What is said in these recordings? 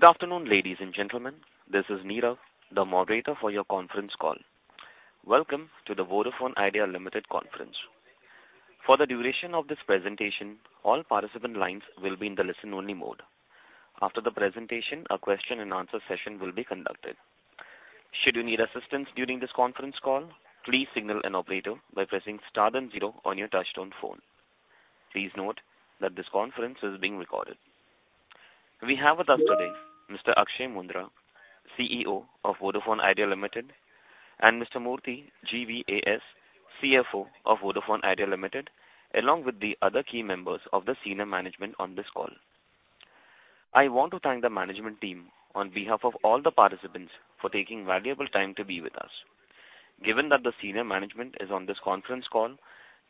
Good afternoon, ladies and gentlemen. This is Neerav, the moderator for your conference call. Welcome to the Vodafone Idea Limited conference. For the duration of this presentation, all participant lines will be in the listen only mode. After the presentation, a question and answer session will be conducted. Should you need assistance during this conference call, please signal an operator by pressing star then zero on your touchtone phone. Please note that this conference is being recorded. We have with us today Mr. Akshaya Moondra, CEO of Vodafone Idea Limited, and Mr. Murthy GVAS, CFO of Vodafone Idea Limited, along with the other key members of the senior management on this call. I want to thank the management team on behalf of all the participants for taking valuable time to be with us. Given that the senior management is on this conference call,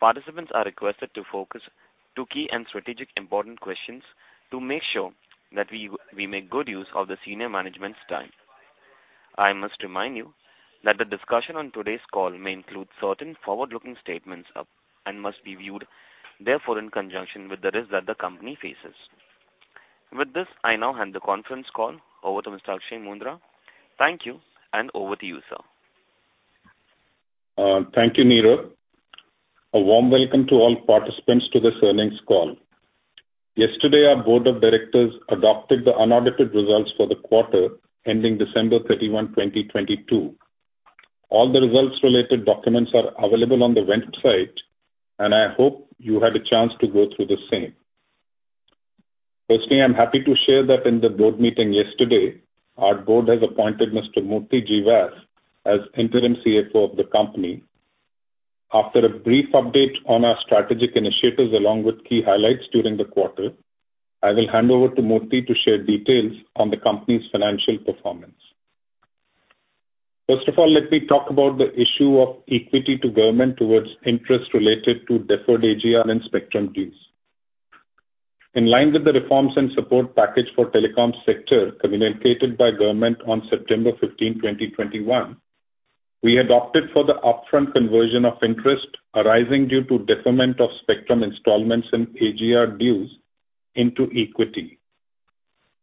participants are requested to focus to key and strategic important questions to make sure that we make good use of the senior management's time. I must remind you that the discussion on today's call may include certain forward-looking statements and must be viewed therefore in conjunction with the risk that the company faces. With this, I now hand the conference call over to Mr. Akshaya Moondra. Thank you. Over to you, sir. Thank you, Neerav. A warm welcome to all participants to this earnings call. Yesterday, our board of directors adopted the unaudited results for the quarter ending December 31, 2022. All the results related documents are available on the vent site. I hope you had a chance to go through the same. I'm happy to share that in the board meeting yesterday, our board has appointed Mr. Murthy GVAS as interim CFO of the company. After a brief update on our strategic initiatives along with key highlights during the quarter, I will hand over to Murthy to share details on the company's financial performance. First of all, let me talk about the issue of equity to Government towards interest related to deferred AGR and spectrum dues. In line with the reforms and support package for telecom sector communicated by Government on September 15, 2021, we adopted for the upfront conversion of interest arising due to deferment of spectrum installments in AGR dues into equity.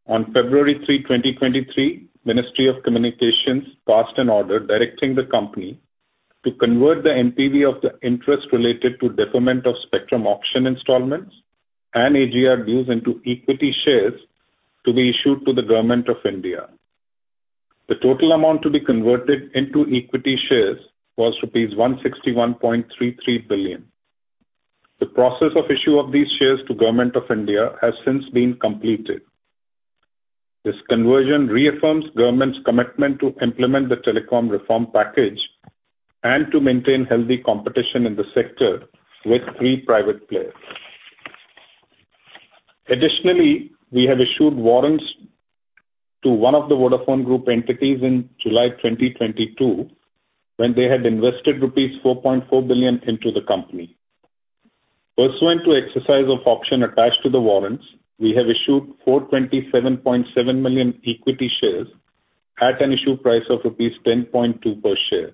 On February 3, 2023, Ministry of Communications passed an order directing the company to convert the NPV of the interest related to deferment of spectrum auction installments and AGR dues into equity shares to be issued to the Government of India. The total amount to be converted into equity shares was rupees 161.33 billion. The process of issue of these shares to Government of India has since been completed. This conversion reaffirms Government's commitment to implement the telecom reform package and to maintain healthy competition in the sector with three private players. Additionally, we have issued warrants to one of the Vodafone Group entities in July 2022, when they had invested rupees 4.4 billion into the company. Pursuant to exercise of option attached to the warrants, we have issued 427.7 million equity shares at an issue price of rupees 10.2 per share.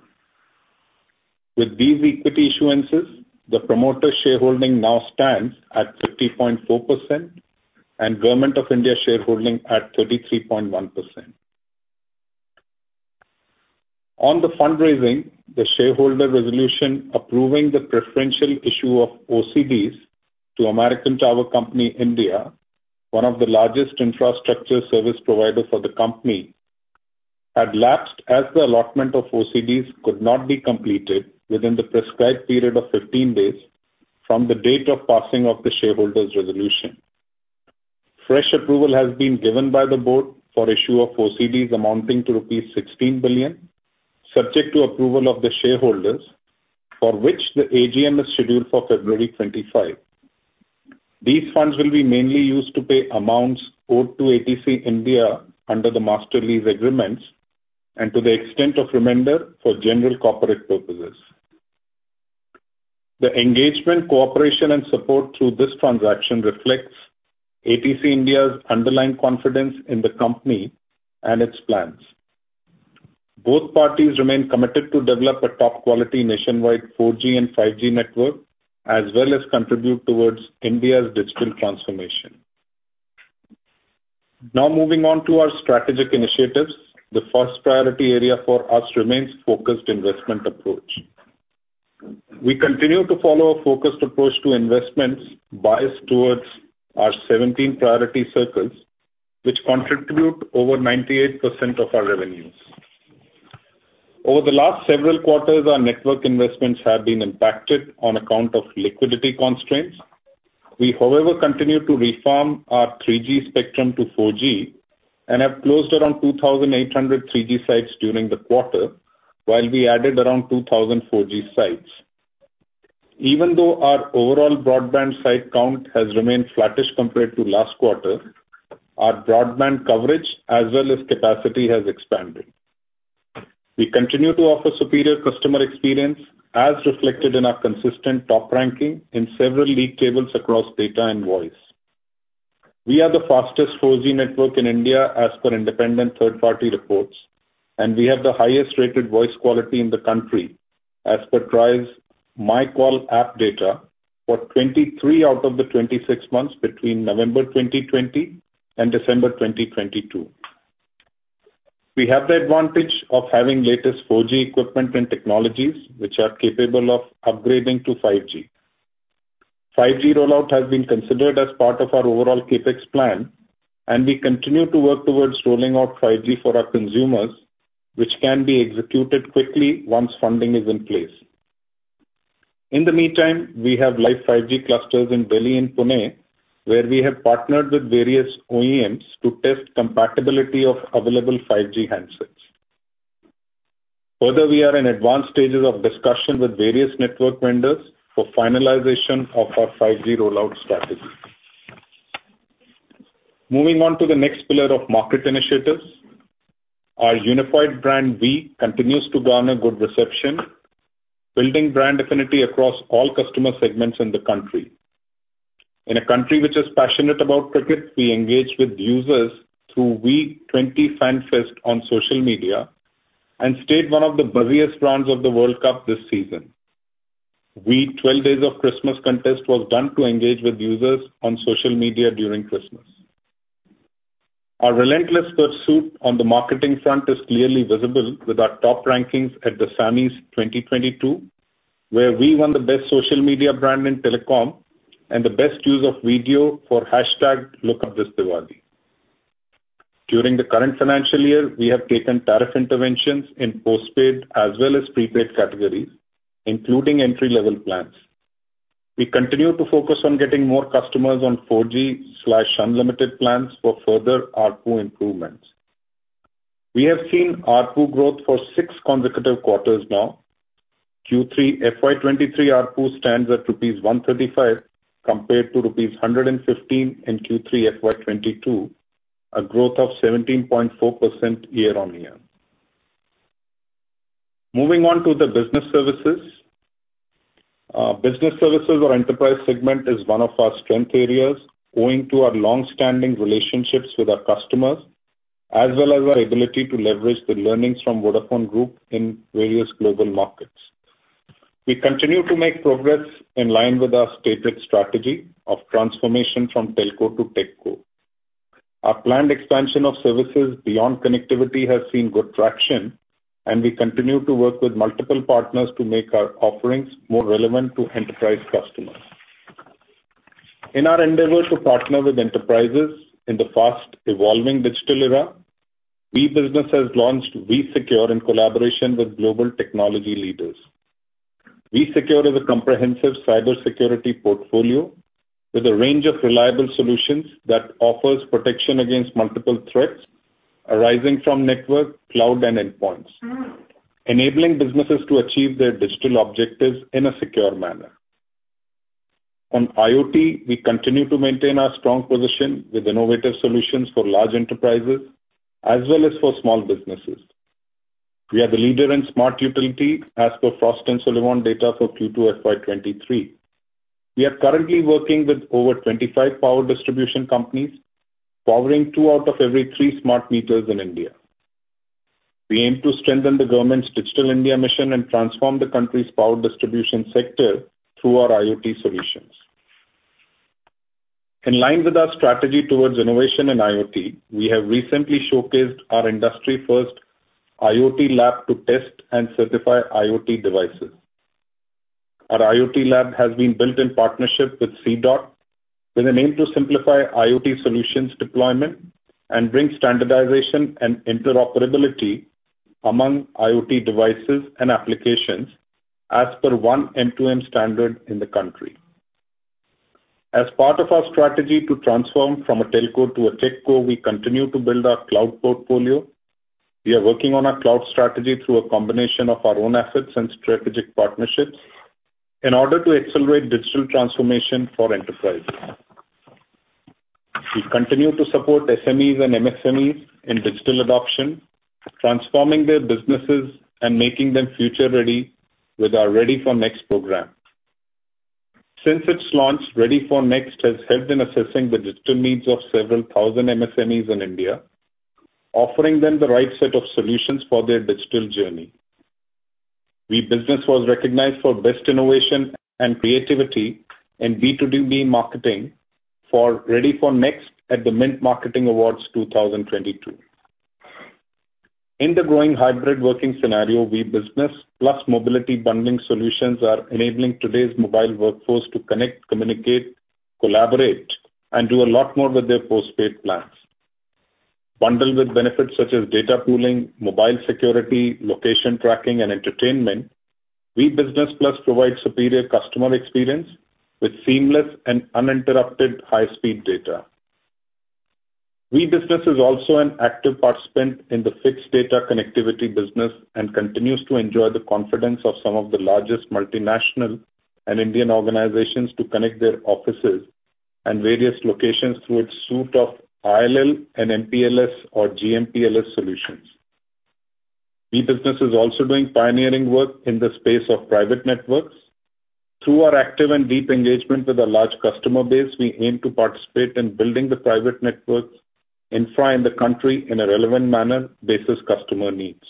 With these equity issuances, the promoter shareholding now stands at 50.4% and Government of India shareholding at 33.1%. On the fundraising, the shareholder resolution approving the preferential issue of OCDs to American Tower Company, India, one of the largest infrastructure service providers for the company, had lapsed as the allotment of OCDs could not be completed within the prescribed period of 15 days from the date of passing of the shareholders' resolution. Fresh approval has been given by the board for issue of OCDs amounting to INR 16 billion, subject to approval of the shareholders, for which the AGM is scheduled for February 25. These funds will be mainly used to pay amounts owed to ATC India under the Master Lease Agreements and to the extent of remainder for general corporate purposes. The engagement, cooperation, and support through this transaction reflects ATC India's underlying confidence in the company and its plans. Both parties remain committed to develop a top-quality nationwide 4G and 5G network, as well as contribute towards India's Digital transformation. Moving on to our strategic initiatives. The first priority area for us remains focused investment approach. We continue to follow a focused approach to investments biased towards our 17 priority circles, which contribute over 98% of our revenues. Over the last several quarters, our network investments have been impacted on account of liquidity constraints. We, however, continue to reform our 3G spectrum to 4G and have closed around 2,800 3G sites during the quarter, while we added around 2,000 4G sites. Even though our overall broadband site count has remained flattish compared to last quarter, our broadband coverage as well as capacity has expanded. We continue to offer superior customer experience as reflected in our consistent top ranking in several league tables across data and voice. We are the fastest 4G network in India as per independent third-party reports. We have the highest-rated voice quality in the country as per TRAI MyCALL app data for 23 out of the 26 months between November 2020 and December 2022. We have the advantage of having latest 4G equipment and technologies which are capable of upgrading to 5G. 5G rollout has been considered as part of our overall CapEx plan, and we continue to work towards rolling out 5G for our consumers, which can be executed quickly once funding is in place. In the meantime, we have live 5G clusters in Delhi and Pune, where we have partnered with various OEMs to test compatibility of available 5G handsets. Further, we are in advanced stages of discussion with various network vendors for finalization of our 5G rollout strategy. Moving on to the next pillar of market initiatives. Our unified brand, Vi, continues to garner good reception, building brand affinity across all customer segments in the country. In a country which is passionate about cricket, we engage with users through Vi20 FANfest on social media, and stayed one of the busiest brands of the World Cup this season. Vi Twelve Days of Christmas contest was done to engage with users on social media during Christmas. Our relentless pursuit on the marketing front is clearly visible with our top rankings at the SAMMIE 2022, where we won the best social media brand in telecom and the best use of video for #LookUpThisDiwali. During the current financial year, we have taken tariff interventions in postpaid as well as prepaid categories, including entry-level plans. We continue to focus on getting more customers on 4G/unlimited plans for further ARPU improvements. We have seen ARPU growth for six consecutive quarters now. Q3 FY23 ARPU stands at rupees 135, compared to rupees 115 in Q3 FY22, a growth of 17.4% year-on-year. Moving on to the business services. Our business services or enterprise segment is one of our strength areas, owing to our long-standing relationships with our customers, as well as our ability to leverage the learnings from Vodafone Group in various global markets. We continue to make progress in line with our stated strategy of transformation from telco to tech co. Our planned expansion of services beyond connectivity has seen good traction, and we continue to work with multiple partners to make our offerings more relevant to enterprise customers. In our endeavor to partner with enterprises in the fast-evolving digital era, Vi Business has launched Vi Secure in collaboration with global technology leaders. Vi Secure is a comprehensive cybersecurity portfolio with a range of reliable solutions that offers protection against multiple threats arising from network, cloud and endpoints, enabling businesses to achieve their digital objectives in a secure manner. On IoT, we continue to maintain our strong position with innovative solutions for large enterprises as well as for small businesses. We are the leader in smart utility as per Frost & Sullivan data for Q2 FY 2023. We are currently working with over 25 power distribution companies, powering two out of every three smart meters in India. We aim to strengthen the government's Digital India mission and transform the country's power distribution sector through our IoT solutions. In line with our strategy towards innovation in IoT, we have recently showcased our industry-first IoT lab to test and certify IoT devices. Our IoT lab has been built in partnership with C-DOT with an aim to simplify IoT solutions deployment and bring standardization and interoperability among IoT devices and applications as per oneM2M standard in the country. Part of our strategy to transform from a telco to a tech co, we continue to build our cloud portfolio. We are working on our cloud strategy through a combination of our own assets and strategic partnerships in order to accelerate digital transformation for enterprises. We continue to support SMEs and MSMEs in digital adoption, transforming their businesses and making them future ready with our Ready for Next program. Since its launch, Ready for Next has helped in assessing the digital needs of several thousand MSMEs in India, offering them the right set of solutions for their digital journey. Vi Business was recognized for best innovation and creativity in B2B marketing for Ready for Next at the Mint Marketing Awards 2022. In the growing hybrid working scenario, Vi Business Plus mobility bundling solutions are enabling today's mobile workforce to connect, communicate, collaborate, and do a lot more with their postpaid plans. Bundled with benefits such as data pooling, mobile security, location tracking and entertainment, Vi Business Plus provides superior customer experience with seamless and uninterrupted high-speed data. Vi Business is also an active participant in the fixed data connectivity business and continues to enjoy the confidence of some of the largest multinational and Indian organizations to connect their offices and various locations through its suite of ILL and MPLS or GMPLS solutions. Vi Business is also doing pioneering work in the space of private networks. Through our active and deep engagement with a large customer base, we aim to participate in building the private networks infra in the country in a relevant manner basis customer needs.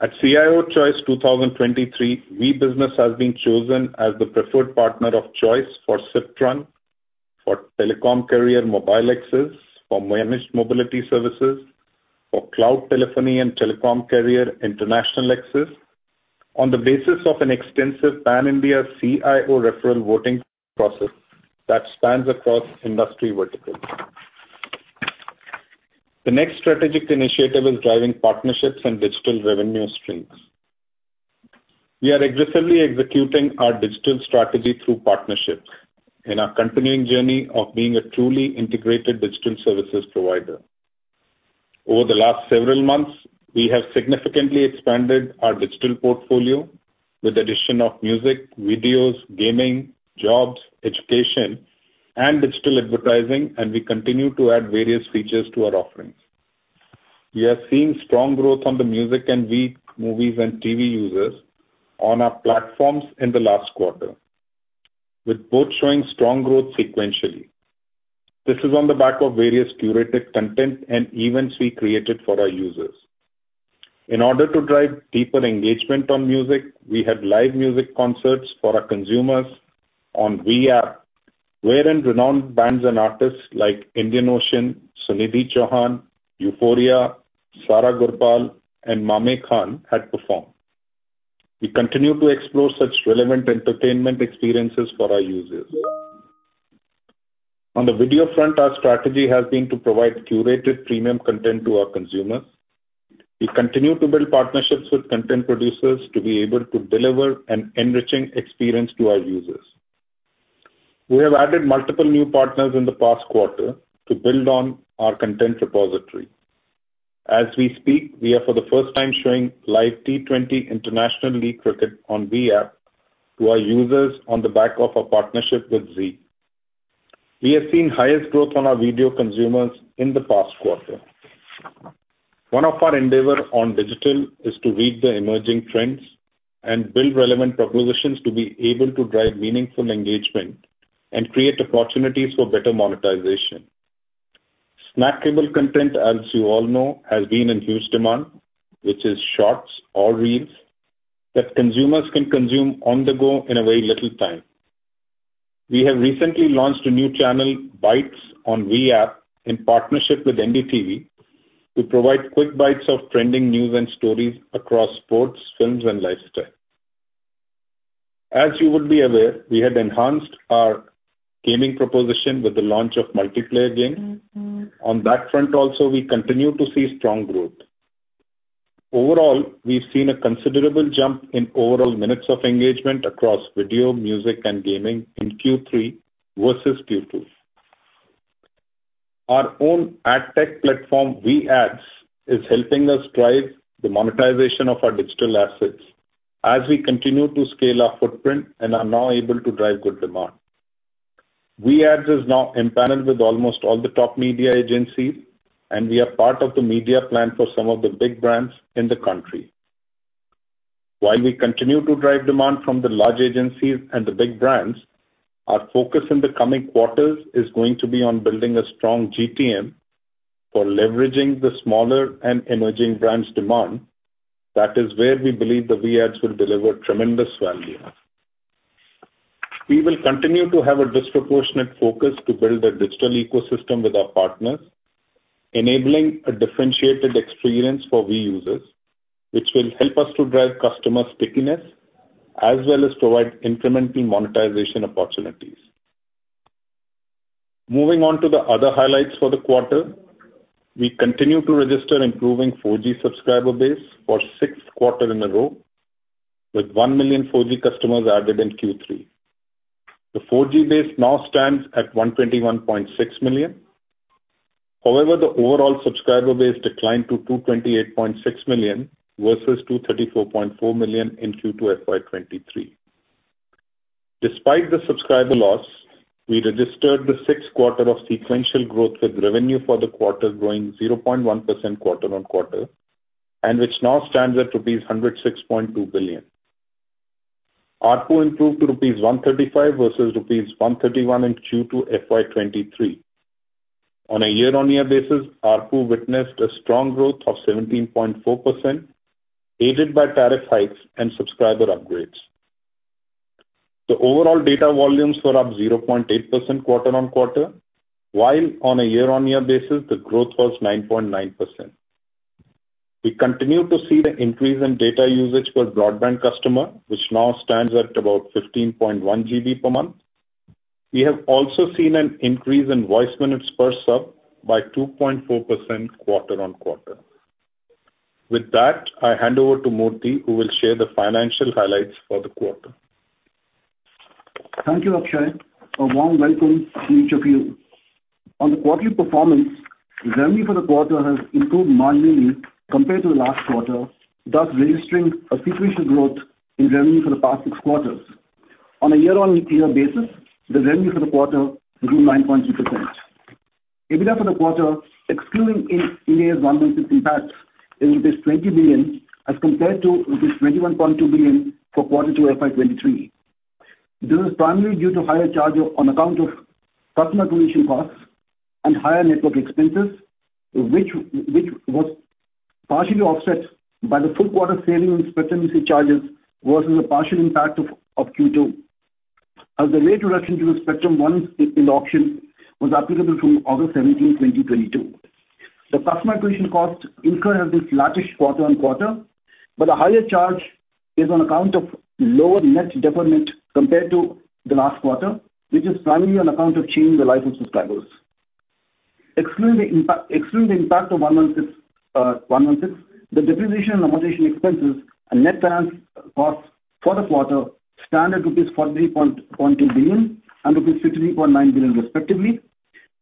At CIO Choice 2023, Vi Business has been chosen as the preferred partner of choice for CIPran, for telecom carrier mobile access, for managed mobility services, for cloud telephony and telecom carrier international access on the basis of an extensive Pan-India CIO referral voting process that spans across industry verticals. The next strategic initiative is driving partnerships and digital revenue streams. We are aggressively executing our digital strategy through partnerships in our continuing journey of being a truly integrated digital services provider. Over the last several months, we have significantly expanded our digital portfolio with addition of music, videos, gaming, jobs, education, and digital advertising, and we continue to add various features to our offerings. We are seeing strong growth on the music and Vi Movies & TV users on our platforms in the last quarter, with both showing strong growth sequentially. This is on the back of various curated content and events we created for our users. In order to drive deeper engagement on music, we had live music concerts for our consumers on Vi App, wherein renowned bands and artists like Indian Ocean, Sunidhi Chauhan, Euphoria, Sara Gurpal, and Mame Khan had performed. We continue to explore such relevant entertainment experiences for our users. On the video front, our strategy has been to provide curated premium content to our consumers. We continue to build partnerships with content producers to be able to deliver an enriching experience to our users. We have added multiple new partners in the past quarter to build on our content repository. As we speak, we are for the first time showing live T20 International League Cricket on Vi App to our users on the back of a partnership with Zee. We have seen highest growth on our video consumers in the past quarter. One of our endeavor on digital is to read the emerging trends and build relevant propositions to be able to drive meaningful engagement and create opportunities for better monetization. Snackable content, as you all know, has been in huge demand, which is shorts or reels that consumers can consume on the go in a very little time. We have recently launched a new channel, Bytes, on Vi App in partnership with NDTV to provide quick bytes of trending news and stories across sports, films, and lifestyle. As you would be aware, we had enhanced our gaming proposition with the launch of multiplayer games. On that front also, we continue to see strong growth. Overall, we've seen a considerable jump in overall minutes of engagement across video, music and gaming in Q3 versus Q2. Our own ad tech platform, Vi Ads, is helping us drive the monetization of our digital assets as we continue to scale our footprint and are now able to drive good demand. Vi Ads is now empaneled with almost all the top media agencies, and we are part of the media plan for some of the big brands in the country. While we continue to drive demand from the large agencies and the big brands, our focus in the coming quarters is going to be on building a strong GTM for leveraging the smaller and emerging brands demand. That is where we believe the Vi Ads will deliver tremendous value. We will continue to have a disproportionate focus to build a digital ecosystem with our partners, enabling a differentiated experience for Vi users, which will help us to drive customer stickiness as well as provide incremental monetization opportunities. Moving on to the other highlights for the quarter. We continue to register improving 4G subscriber base for sixth quarter in a row, with 1 million 4G customers added in Q3. The 4G base now stands at 121.6 million. The overall subscriber base declined to 228.6 million versus 234.4 million in Q2 FY23. Despite the subscriber loss, we registered the sixth quarter of sequential growth, with revenue for the quarter growing 0.1% quarter-on-quarter which now stands at rupees 106.2 billion. ARPU improved to rupees 135 versus rupees 131 in Q2 FY23. On a year-on-year basis, ARPU witnessed a strong growth of 17.4%, aided by tariff hikes and subscriber upgrades. The overall data volumes were up 0.8% quarter-on-quarter, while on a year-on-year basis, the growth was 9.9%. We continue to see the increase in data usage per broadband customer, which now stands at about 15.1 GB per month. We have also seen an increase in voice minutes per sub by 2.4% quarter-on-quarter. With that, I hand over to Murthy GVAS, who will share the financial highlights for the quarter. Thank you, Akshay. A warm welcome to each of you. On the quarterly performance, revenue for the quarter has improved marginally compared to the last quarter, thus registering a sequential growth in revenue for the past six quarters. On a year-on-year basis, the revenue for the quarter grew 9.0%. EBITDA for the quarter, excluding Ind AS 116 impact, is rupees 20 billion as compared to rupees 21.2 billion for Q2 FY23. This is primarily due to higher charge on account of customer commission costs and higher network expenses, which was partially offset by the full quarter saving on spectrum use charges versus the partial impact of Q2, as the late reduction to the spectrum one in the auction was applicable through August 17, 2022. The customer acquisition cost incurred has been flattish quarter-on-quarter. The higher charge is on account of lower net deferment compared to the last quarter, which is primarily on account of change in the life of subscribers. Excluding the impact of 116, the depreciation, amortization expenses, and net finance costs for the quarter stand at rupees 43.2 billion and rupees 53.9 billion respectively.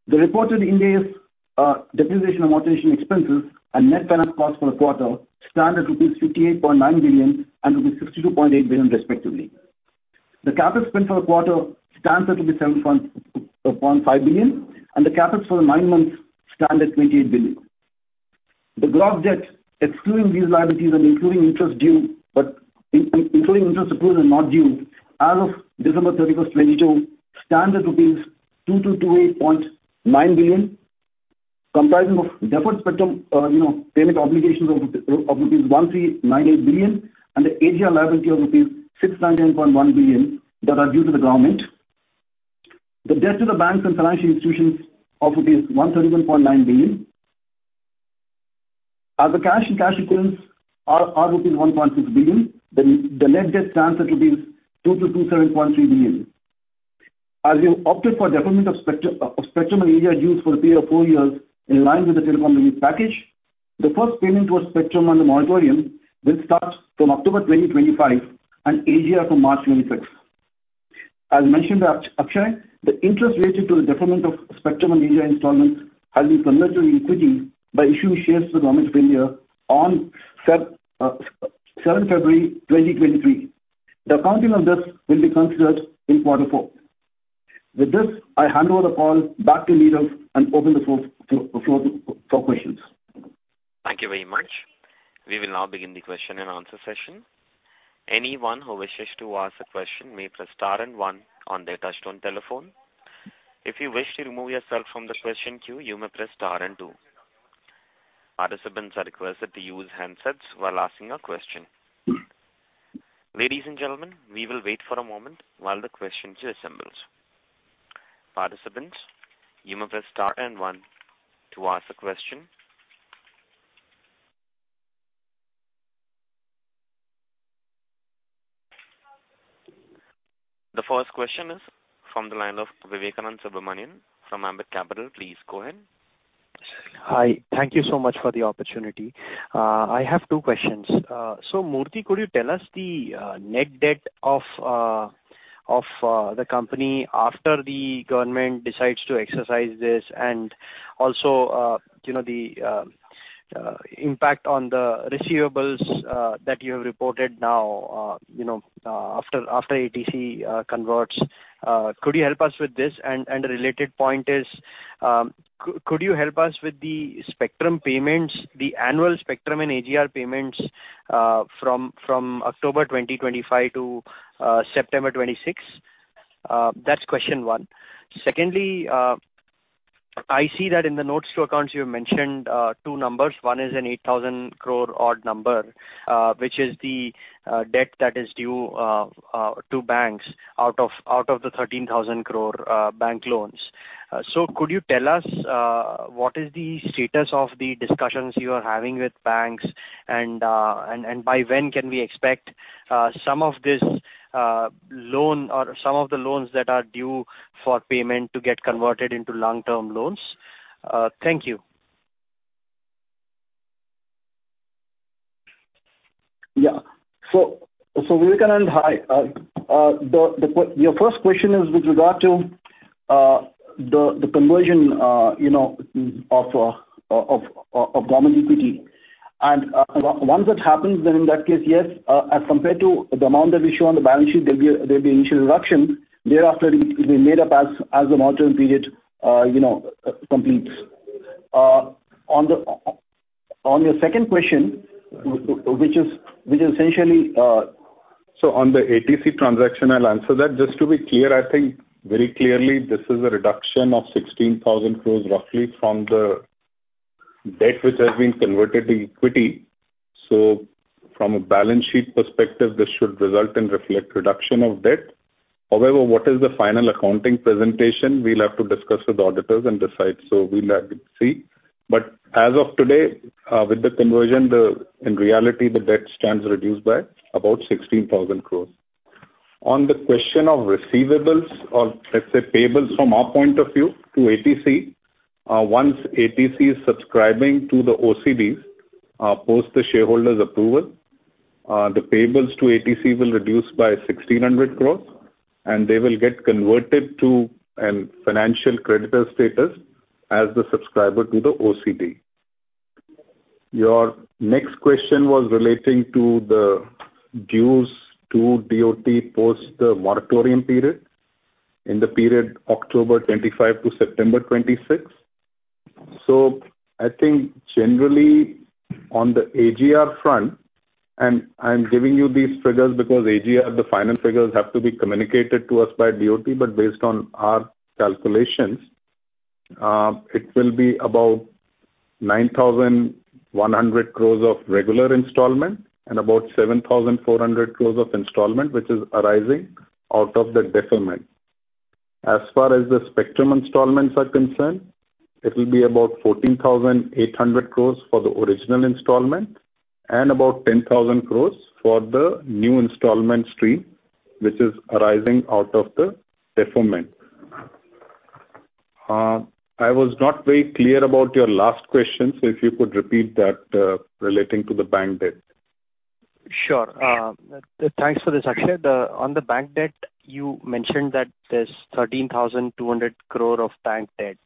The reported Ind AS 116 depreciation, amortization expenses and net finance costs for the quarter stand at rupees 58.9 billion and rupees 62.8 billion respectively. The capital spend for the quarter stands at rupees 7.5 billion, and the CapEx for the 9 months stand at 28 billion. The gross debt, excluding these liabilities and including interest due, but including interest accrued and not due, as of December 31, 2022, stands at rupees 2,228.9 billion, comprising of deferred spectrum, you know, payment obligations of rupees 1,398 billion and the AGR liability of rupees 699.1 billion that are due to the government. The debt to the banks and financial institutions of rupees 131.9 billion. As the cash and cash equivalents are rupees 1.6 billion, the net debt stands at 2,227.3 billion. We have opted for deferment of spectrum and AGR dues for a period of four years in line with the telecom relief package, the first payment towards spectrum on the moratorium will start from October 2025 and AGR from March 26th. Mentioned by Akshay, the interest related to the deferment of spectrum and AGR installments has been converted to equity by issuing shares to the government earlier on 7 February 2023. The accounting of this will be considered in quarter four. With this, I hand over the call back to leaders and open the floor for questions. Thank you very much. We will now begin the question and answer session. Anyone who wishes to ask a question may press star one on their touchtone telephone. If you wish to remove yourself from the question queue, you may press star two. Participants are requested to use handsets while asking a question. Ladies and gentlemen, we will wait for a moment while the questions assembles. Participants, you may press star one to ask a question. The first question is from the line of Vivekanand Subbaraman from Ambit Capital. Please go ahead. Hi. Thank you so much for the opportunity. I have two questions. Murti, could you tell us the net debt of the company after the government decides to exercise this and also, you know, the impact on the receivables that you have reported now, you know, after ATC converts? Could you help us with this? A related point is, could you help us with the spectrum payments, the annual spectrum and AGR payments, from October 2025 to September 2026? That's question one. Secondly, I see that in the notes to accounts you have mentioned two numbers. One is an 8,000 crore odd number, which is the debt that is due to banks out of the 13,000 crore bank loans. Could you tell us what is the status of the discussions you are having with banks and by when can we expect some of this loan or some of the loans that are due for payment to get converted into long-term loans? Thank you. Yeah. Vivekanand, hi. Your first question is with regard to the conversion, you know, of government equity. once that happens, then in that case, yes, as compared to the amount that we show on the balance sheet, there'll be initial reduction. Thereafter, it'll be made up as the midterm period, you know, completes. on your second question, which is essentially. On the ATC transaction, I'll answer that. Just to be clear, I think very clearly this is a reduction of 16,000 crores roughly from the debt which has been converted to equity. From a balance sheet perspective, this should result and reflect reduction of debt. However, what is the final accounting presentation, we'll have to discuss with auditors and decide. We'll have to see. As of today, with the conversion, the, in reality, the debt stands reduced by about 16,000 crores. On the question of receivables or let's say payables from our point of view to ATC, once ATC is subscribing to the OCDs, post the shareholders approval, the payables to ATC will reduce by 1,600 crores and they will get converted to an financial creditor status as the subscriber to the OCD. Your next question was relating to the dues to DoT post the moratorium period in the period October 25 to September 26. I think generally on the AGR front, and I'm giving you these figures because AGR, the final figures have to be communicated to us by DoT. But based on our calculations, it will be about 9,100 crores of regular installment and about 7,400 crores of installment, which is arising out of the deferment. As far as the spectrum installments are concerned, it will be about 14,800 crores for the original installment and about 10,000 crores for the new installment stream, which is arising out of the deferment. I was not very clear about your last question, so if you could repeat that, relating to the bank debt. Sure. Thanks for this, Akshay. On the bank debt, you mentioned that there's 13,200 crore of bank debt.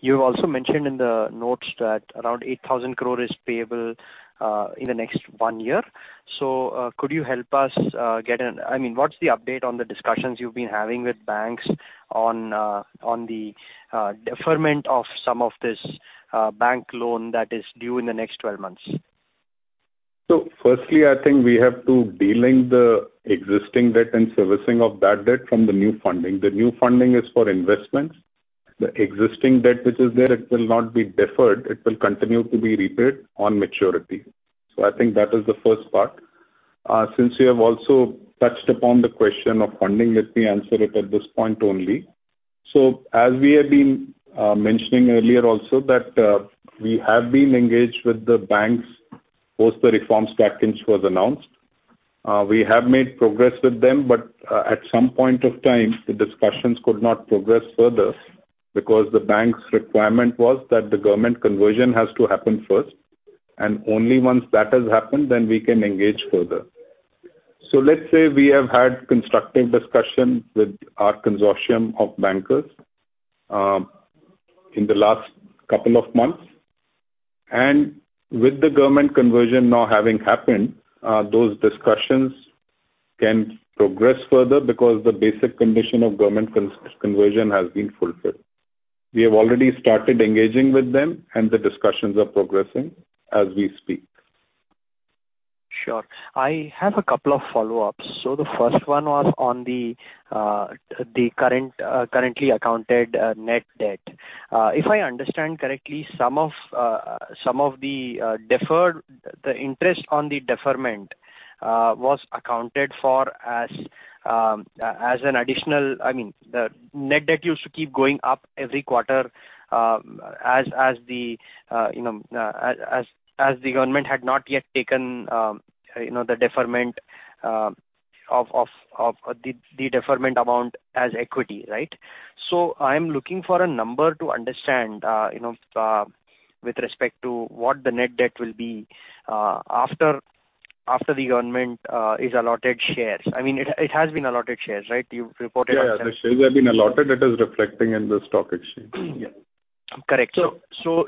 You've also mentioned in the notes that around 8,000 crore is payable in the next one year. Could you help us, I mean, what's the update on the discussions you've been having with banks on the deferment of some of this bank loan that is due in the next 12 months? Firstly, I think we have to delink the existing debt and servicing of that debt from the new funding. The new funding is for investments. The existing debt which is there, it will not be deferred. It will continue to be repaid on maturity. I think that is the first part. Since you have also touched upon the question of funding, let me answer it at this point only. As we have been mentioning earlier also that we have been engaged with the banks post the reforms package was announced. We have made progress with them, but at some point of time, the discussions could not progress further because the bank's requirement was that the government conversion has to happen first, and only once that has happened, we can engage further. Let's say we have had constructive discussions with our consortium of bankers in the last couple of months. With the government conversion now having happened, those discussions can progress further because the basic condition of government conversion has been fulfilled. We have already started engaging with them and the discussions are progressing as we speak. Sure. I have a couple of follow-ups. The first one was on the current, currently accounted net debt. If I understand correctly, some of some of the deferred, the interest on the deferment was accounted for as I mean, the net debt used to keep going up every quarter, as the you know, as the government had not yet taken you know, the deferment of the deferment amount as equity, right? I am looking for a number to understand, you know, with respect to what the net debt will be after the government is allotted shares. I mean, it has been allotted shares, right? You've reported- Yeah. The shares have been allotted. It is reflecting in the stock exchange. Yeah. Correct.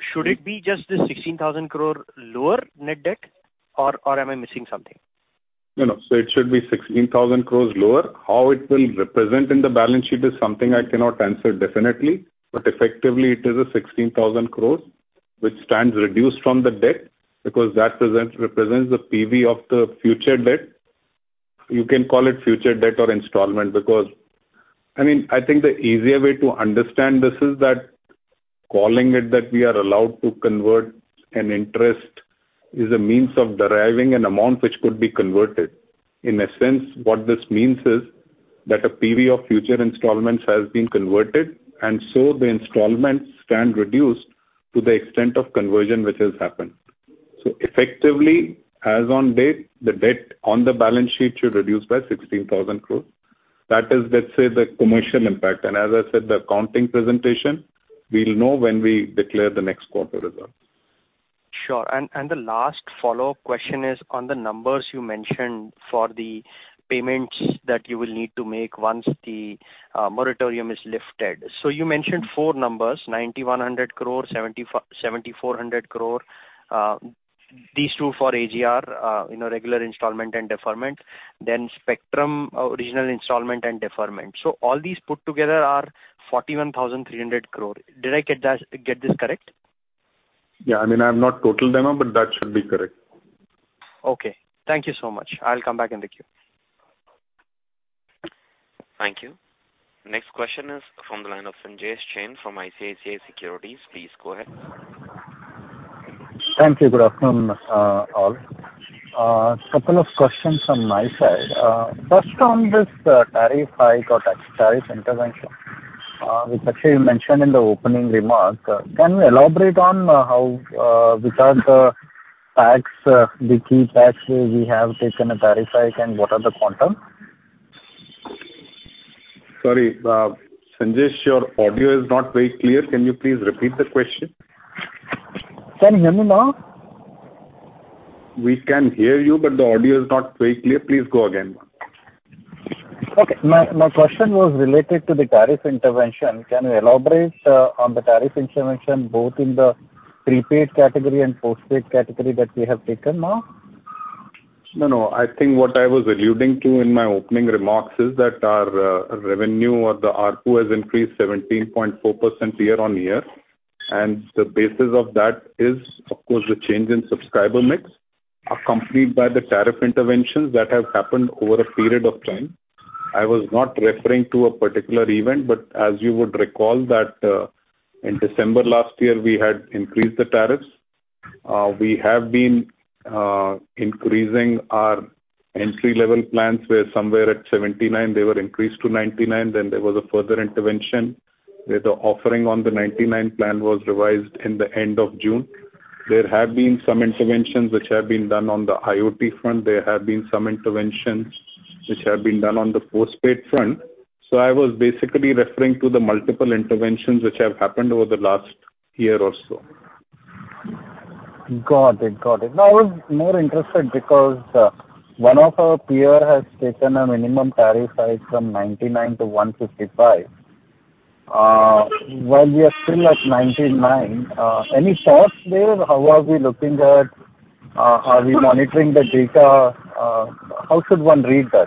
Should it be just the 16,000 crore lower net debt, or am I missing something? No, no. It should be 16,000 crores lower. How it will represent in the balance sheet is something I cannot answer definitely. Effectively it is a 16,000 crores which stands reduced from the debt because that represents the PV of the future debt. You can call it future debt or installment because, I mean, I think the easier way to understand this is that calling it that we are allowed to convert an interest is a means of deriving an amount which could be converted. In essence, what this means is that a PV of future installments has been converted, the installments stand reduced to the extent of conversion which has happened. Effectively, as on date, the debt on the balance sheet should reduce by 16,000 crores. That is, let's say, the commercial impact. As I said, the accounting presentation, we'll know when we declare the next quarter results. Sure. The last follow-up question is on the numbers you mentioned for the payments that you will need to make once the moratorium is lifted. You mentioned four numbers, 9,100 crore, 7,400 crore. These two for AGR, you know, regular installment and deferment. Spectrum, original installment and deferment. All these put together are 41,300 crore. Did I get this correct? Yeah. I mean, I've not totaled them up, but that should be correct. Okay. Thank you so much. I'll come back in the queue. Thank you. Next question is from the line of Sanjesh Jain from ICICI Securities. Please go ahead. Thank you. Good afternoon, all. Couple of questions from my side. First on this, tariff hike or tariff intervention, which actually you mentioned in the opening remark. Can you elaborate on how which are the tax, the key taxes we have taken a tariff hike and what are the quantum? Sorry, Sanjesh, your audio is not very clear. Can you please repeat the question? Can you hear me now? We can hear you, but the audio is not very clear. Please go again. Okay. My question was related to the tariff intervention. Can you elaborate on the tariff intervention, both in the prepaid category and postpaid category that we have taken now? No, no. I think what I was alluding to in my opening remarks is that our revenue or the ARPPU has increased 17.4% year-on-year. The basis of that is, of course, the change in subscriber mix, accompanied by the tariff interventions that have happened over a period of time. I was not referring to a particular event, but as you would recall that in December last year, we had increased the tariffs. We have been increasing our entry-level plans were somewhere at 79. They were increased to 99. Then there was a further intervention, where the offering on the 99 plan was revised in the end of June. There have been some interventions which have been done on the IoT front. There have been some interventions which have been done on the postpaid front. I was basically referring to the multiple interventions which have happened over the last year or so. Got it. Got it. I was more interested because, one of our peer has taken a minimum tariff hike from 99 to 155, while we are still at 99. Any thoughts there? How are we looking at... Are we monitoring the data? How should one read that?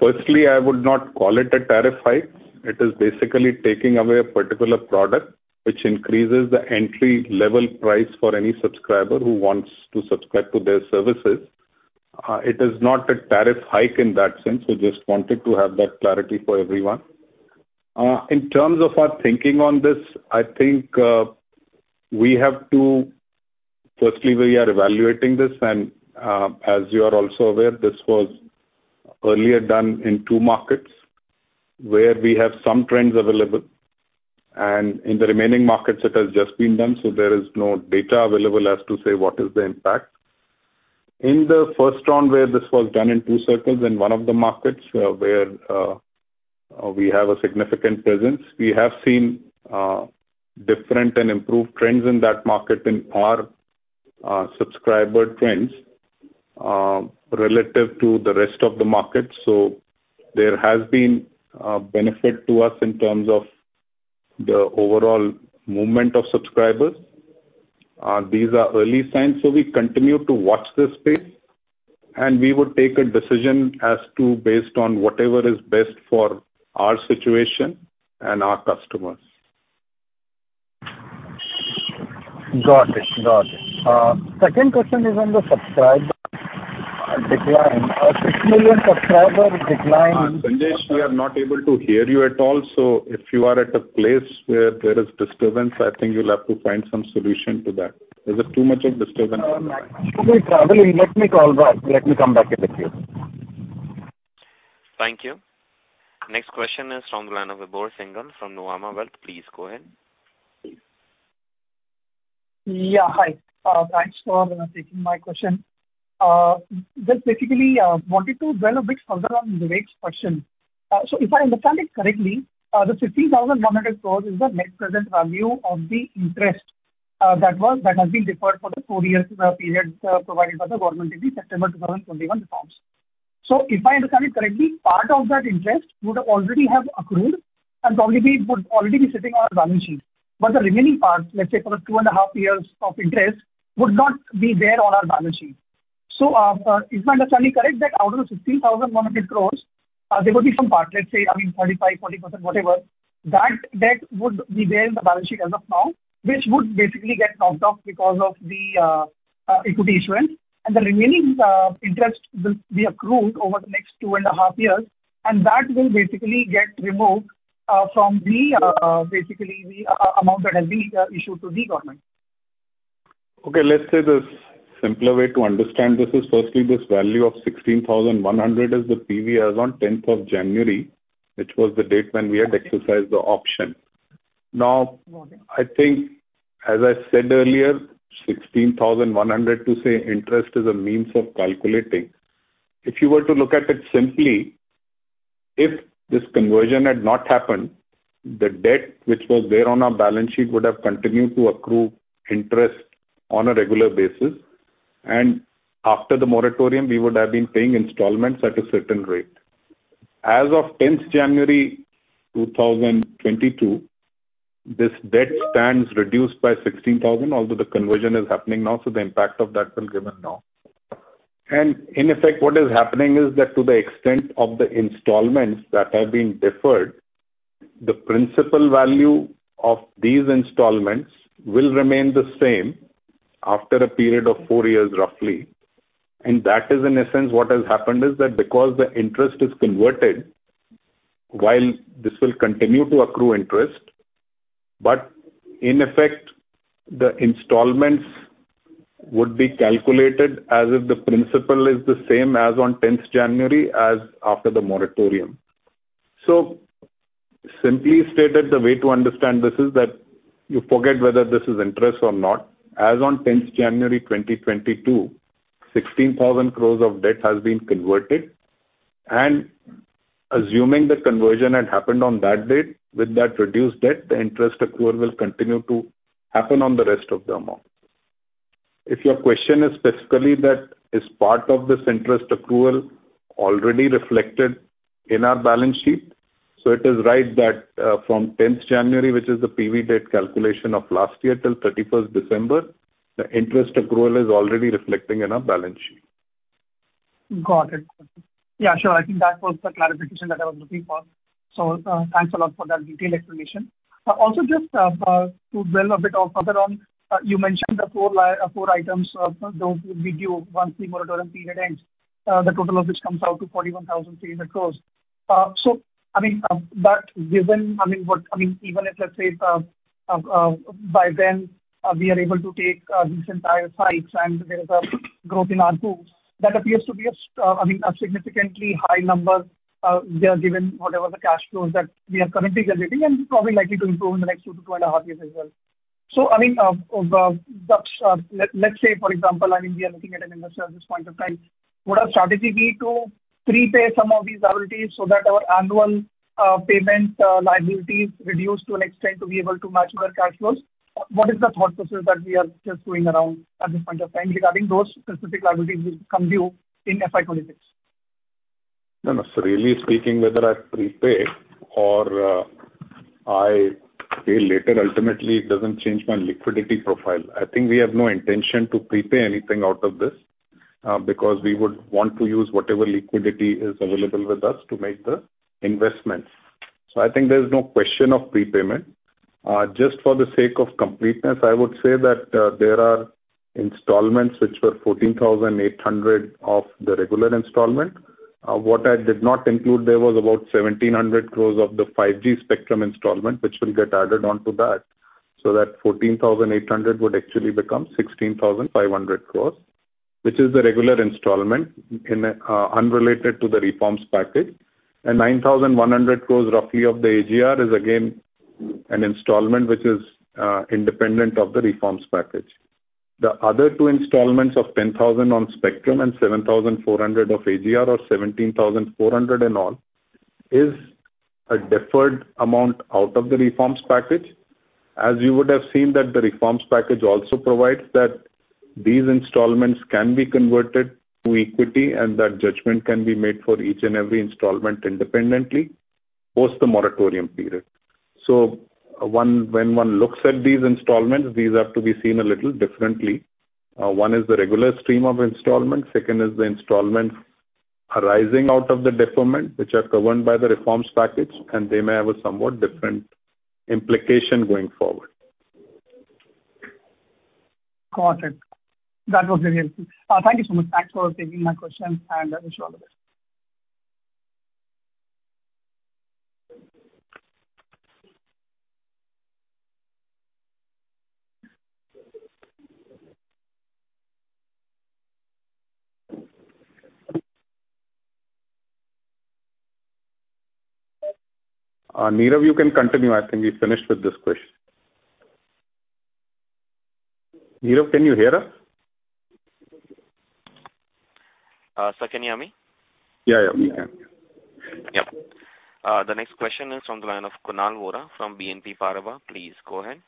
Firstly, I would not call it a tariff hike. It is basically taking away a particular product which increases the entry-level price for any subscriber who wants to subscribe to their services. It is not a tariff hike in that sense. We just wanted to have that clarity for everyone. In terms of our thinking on this, I think, we have to. Firstly, we are evaluating this. As you are also aware, this was earlier done in two markets where we have some trends available. In the remaining markets, it has just been done, so there is no data available as to say what is the impact. In the first round where this was done in two circles, in one of the markets where we have a significant presence, we have seen different and improved trends in that market in our subscriber trends, relative to the rest of the market. There has been a benefit to us in terms of the overall movement of subscribers. These are early signs, so we continue to watch this space, and we would take a decision as to based on whatever is best for our situation and our customers. Got it. Got it. Second question is on the subscriber decline. A 6 million subscriber decline. Brijesh, we are not able to hear you at all. If you are at a place where there is disturbance, I think you'll have to find some solution to that. Is it too much a disturbance? I'm actually traveling. Let me call back. Let me come back at it to you. Thank you. Next question is from the line of Vibhor Singhal from Nuvama Wealth. Please go ahead. Yeah, hi. Thanks for taking my question. Just basically, wanted to dwell a bit further on Vivek's question. If I understand it correctly, the 16,100 crores is the net present value of the interest, that has been deferred for the four years period, provided by the government in the September 2021 reforms. If I understand it correctly, part of that interest would already have accrued and probably it would already be sitting on our balance sheet. The remaining part, let's say for the two and a half years of interest, would not be there on our balance sheet. Is my understanding correct that out of the 16,100 crores, there would be some part, let's say, I mean, 35%-40%, whatever, that debt would be there in the balance sheet as of now, which would basically get knocked off because of the equity issuance? The remaining interest will be accrued over the next two and a half years, and that will basically get removed from the basically the amount that has been issued to the Government. Okay, let's say this simpler way to understand this is firstly this value of 16,100 is the PVS on 10th January, which was the date when we had exercised the option. Now, I think as I said earlier, 16,100 to say interest is a means of calculating. If you were to look at it simply, if this conversion had not happened, the debt which was there on our balance sheet would have continued to accrue interest on a regular basis. After the moratorium, we would have been paying installments at a certain rate. As of 10th January 2022, this debt stands reduced by 16,000, although the conversion is happening now, so the impact of that will given now. In effect, what is happening is that to the extent of the installments that have been deferred, the principal value of these installments will remain the same after a period of four years, roughly. That is in essence, what has happened is that because the interest is converted, while this will continue to accrue interest, but in effect, the installments would be calculated as if the principal is the same as on 10th January as after the moratorium. Simply stated, the way to understand this is that you forget whether this is interest or not. As on 10th January 2022, 16,000 crores of debt has been converted. Assuming the conversion had happened on that date with that reduced debt, the interest accrual will continue to happen on the rest of the amount. If your question is specifically that is part of this interest accrual already reflected in our balance sheet. It is right that, from 10th January, which is the PV date calculation of last year till 31st December, the interest accrual is already reflecting in our balance sheet. Got it. Yeah, sure. I think that was the clarification that I was looking for. Thanks a lot for that detailed explanation. Also just to build a bit of further on, you mentioned the four items, those would be due once the moratorium period ends. The total of which comes out to 41,300 crores. I mean, but given, I mean, even if, let's say, by then, we are able to take these entire sites and there's a growth in ARPPU, that appears to be a significantly high number there given whatever the cash flows that we are currently generating and probably likely to improve in the next two to two and a half years as well. I mean, that's, let's say for example, I mean, we are looking at an investor at this point of time. Would our strategy be to prepay some of these liabilities so that our annual payment liabilities reduce to an extent to be able to match with our cash flows? What is the thought process that we are just doing around at this point of time regarding those specific liabilities which come due in FY 2026? No, no. Really speaking, whether I prepay or I pay later, ultimately it doesn't change my liquidity profile. I think we have no intention to prepay anything out of this, because we would want to use whatever liquidity is available with us to make the investments. I think there's no question of prepayment. Just for the sake of completeness, I would say that there are installments which were 14,800 of the regular installment. What I did not include there was about 1,700 crores of the 5G spectrum installment, which will get added onto that. That 14,800 would actually become 16,500 crores. Which is the regular installment in, unrelated to the reforms package. 9,100 crores roughly of the AGR is again an installment which is independent of the reforms package. The other two installments of 10,000 on spectrum and 7,400 of AGR or 17,400 in all is a deferred amount out of the reforms package. As you would have seen that the reforms package also provides that these installments can be converted to equity and that judgment can be made for each and every installment independently, post the moratorium period. When one looks at these installments, these are to be seen a little differently. One is the regular stream of installments. Second is the installments arising out of the deferment, which are governed by the reforms package, and they may have a somewhat different implication going forward. Got it. That was really helpful. Thank you so much. Thanks for taking my question. I wish you all the best. Neerav, you can continue. I think we've finished with this question. Neerav, can you hear us? Sir, can you hear me? Yeah, yeah, we can. Yep. The next question is from the line of Kunal Vora from BNP Paribas. Please go ahead.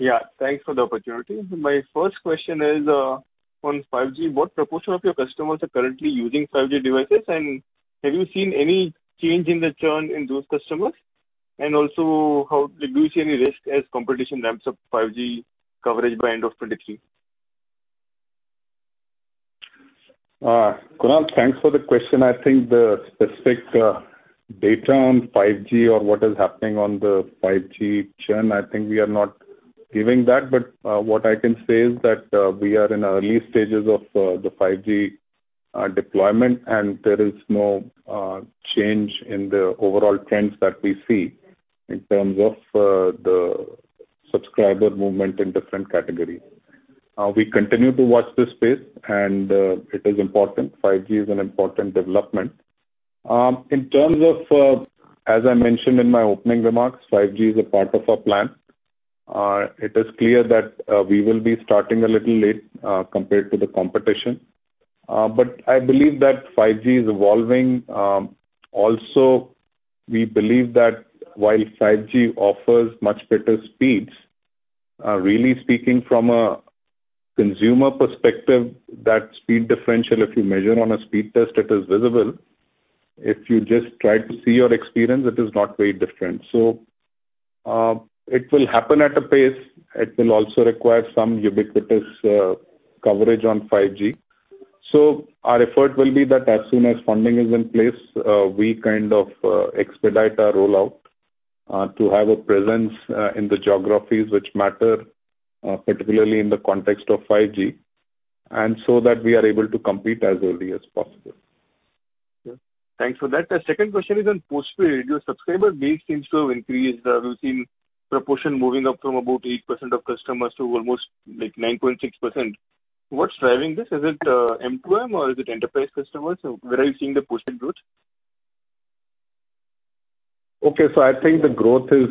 Yeah, thanks for the opportunity. My first question is on 5G. What proportion of your customers are currently using 5G devices and have you seen any change in the churn in those customers? Do you see any risk as competition ramps up 5G coverage by end of 2023? Kunal, thanks for the question. I think the specific data on 5G or what is happening on the 5G churn, I think we are not giving that. What I can say is that we are in early stages of the 5G deployment, and there is no change in the overall trends that we see in terms of the subscriber movement in different categories. We continue to watch this space and it is important. 5G is an important development. In terms of as I mentioned in my opening remarks, 5G is a part of our plan. It is clear that we will be starting a little late compared to the competition. I believe that 5G is evolving. We believe that while 5G offers much better speeds, really speaking from a consumer perspective, that speed differential, if you measure on a speed test, it is visible. If you just try to see your experience, it is not very different. It will happen at a pace. It will also require some ubiquitous coverage on 5G. Our effort will be that as soon as funding is in place, we kind of expedite our rollout to have a presence in the geographies which matter, particularly in the context of 5G, that we are able to compete as early as possible. Yeah. Thanks for that. The second question is on postpaid. Your subscriber base seems to have increased. We've seen proportion moving up from about 8% of customers to almost like 9.6%. What's driving this? Is it M2M or is it enterprise customers? Where are you seeing the posted growth? Okay. I think the growth is,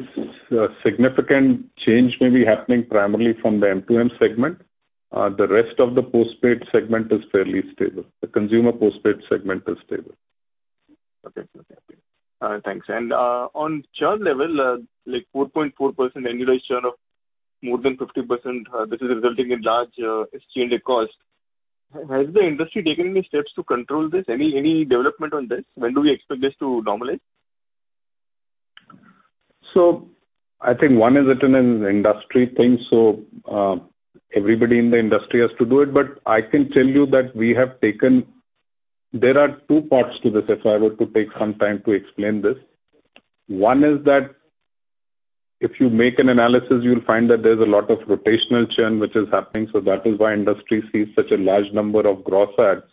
significant change may be happening primarily from the M2M segment. The rest of the postpaid segment is fairly stable. The consumer postpaid segment is stable. Okay. Okay. Thanks. On churn level, like 4.4% annualized churn of more than 50%, this is resulting in large, exchanged costs. Has the industry taken any steps to control this? Any development on this? When do we expect this to normalize? I think one is it an industry thing. Everybody in the industry has to do it. I can tell you that. There are two parts to this, if I were to take some time to explain this. One is that if you make an analysis, you'll find that there's a lot of rotational churn which is happening, that is why industry sees such a large number of gross adds,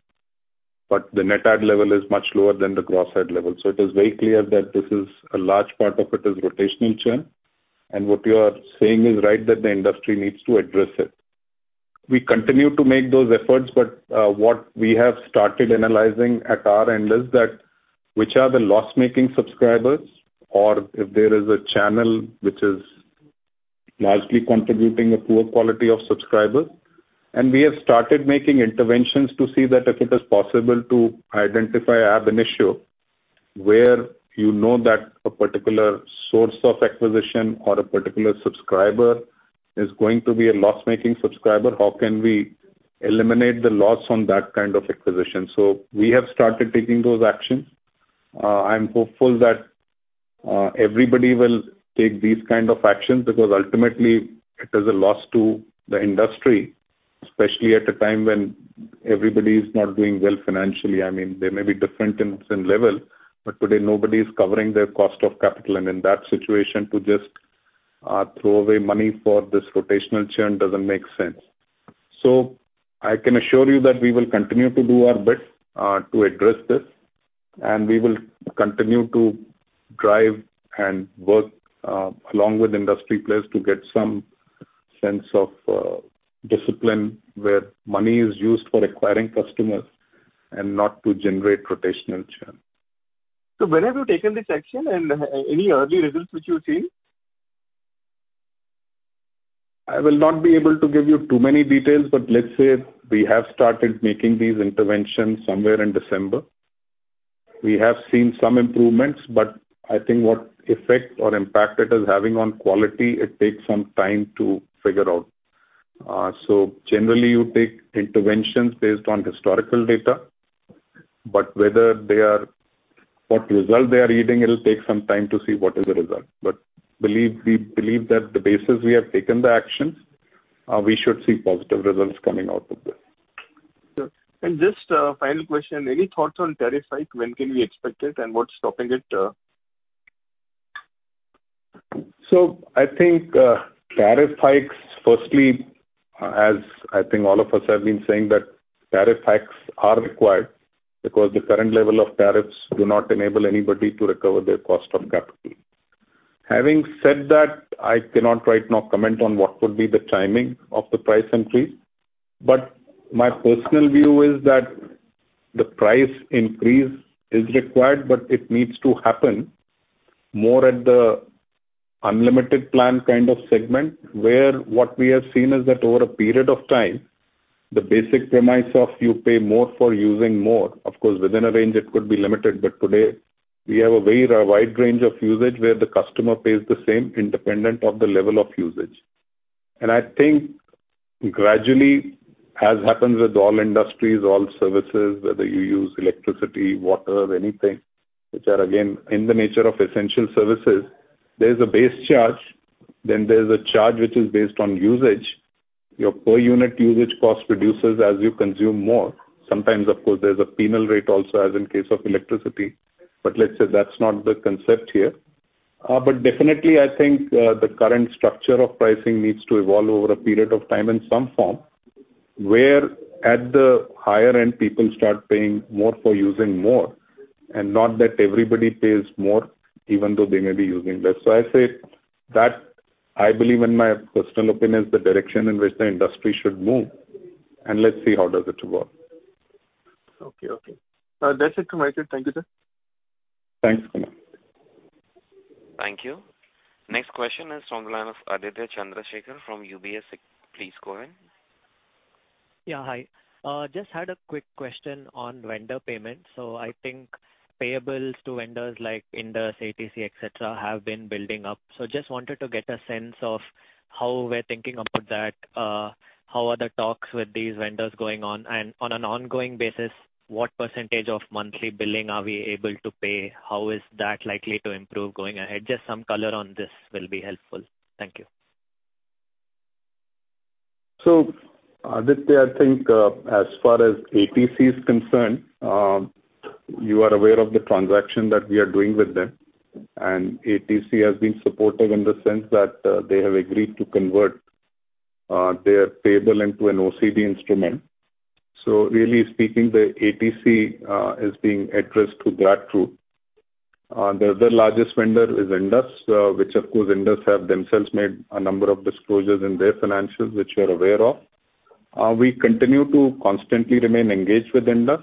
but the net add level is much lower than the gross add level. It is very clear that this is, a large part of it is rotational churn. What you are saying is right, that the industry needs to address it. We continue to make those efforts. What we have started analyzing at our end is that which are the loss-making subscribers or if there is a channel which is largely contributing a poor quality of subscribers. We have started making interventions to see that if it is possible to identify ab initio, where you know that a particular source of acquisition or a particular subscriber is going to be a loss-making subscriber, how can we eliminate the loss on that kind of acquisition? We have started taking those actions. I'm hopeful that everybody will take these kind of actions because ultimately it is a loss to the industry, especially at a time when everybody is not doing well financially. I mean, they may be different in some level, but today nobody is covering their cost of capital. In that situation, to just throw away money for this rotational churn doesn't make sense. I can assure you that we will continue to do our bit to address this, and we will continue to drive and work along with industry players to get some sense of discipline where money is used for acquiring customers and not to generate rotational churn. When have you taken this action and any early results which you've seen? I will not be able to give you too many details. Let's say we have started making these interventions somewhere in December. We have seen some improvements, but I think what effect or impact it is having on quality, it takes some time to figure out. Generally you take interventions based on historical data, but whether what result they are yielding, it'll take some time to see what is the result. We believe that the basis we have taken the actions, we should see positive results coming out of this. Sure. Just a final question. Any thoughts on tariff hike? When can we expect it and what's stopping it? I think, tariff hikes, firstly, as I think all of us have been saying that tariff hikes are required because the current level of tariffs do not enable anybody to recover their cost of capital. Having said that, I cannot right now comment on what would be the timing of the price increase. My personal view is that the price increase is required, but it needs to happen more at the unlimited plan kind of segment, where what we have seen is that over a period of time, the basic premise of you pay more for using more, of course, within a range it could be limited, but today we have a very wide range of usage where the customer pays the same independent of the level of usage. I think gradually, as happens with all industries, all services, whether you use electricity, water, anything, which are again in the nature of essential services, there is a base charge, then there is a charge which is based on usage. Your per unit usage cost reduces as you consume more. Sometimes, of course, there's a penal rate also as in case of electricity, but let's say that's not the concept here. Definitely I think, the current structure of pricing needs to evolve over a period of time in some form, where at the higher end, people start paying more for using more, and not that everybody pays more even though they may be using less. I say that I believe in my personal opinion is the direction in which the industry should move, and let's see how does it work. Okay, okay. That's it from my side. Thank you, sir. Thanks, Kunal. Thank you. Next question is from the line of Aditya Chandrasekar from UBS. Please go ahead. Yeah, hi. Just had a quick question on vendor payments. I think payables to vendors like Indus, ATC, et cetera, have been building up. Just wanted to get a sense of how we're thinking about that, how are the talks with these vendors going on? On an ongoing basis, what percentage of monthly billing are we able to pay? How is that likely to improve going ahead? Just some color on this will be helpful. Thank you. Aditya, I think, as far as ATC is concerned, you are aware of the transaction that we are doing with them, and ATC has been supportive in the sense that they have agreed to convert their payable into an OCD instrument. Really speaking, the ATC is being addressed through that route. The other largest vendor is Indus, which of course, Indus have themselves made a number of disclosures in their financials, which you're aware of. We continue to constantly remain engaged with vendors.